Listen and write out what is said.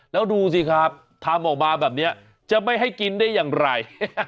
แล้วดูสิครับทำออกมาแบบนี้จะไม่ให้กินได้อย่างไร